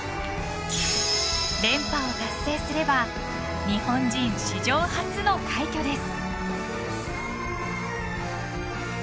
連覇を達成すれば日本人史上初の快挙です。